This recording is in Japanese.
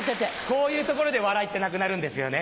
こういうところで笑いってなくなるんですよね。